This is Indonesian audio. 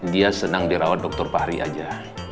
dia senang dirawat dr fahri aja